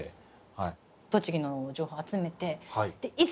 栃木の情報集めていざ